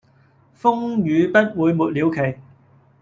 風雨不會沒了期